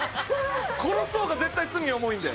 殺す方が絶対罪重いんで。